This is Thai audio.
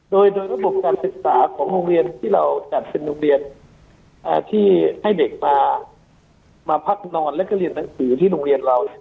โดยระบบการศึกษาของโรงเรียนที่เราจัดเป็นโรงเรียนที่ให้เด็กมาพักนอนแล้วก็เรียนหนังสือที่โรงเรียนเรา